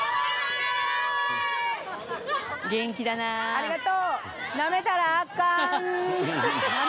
ありがとう。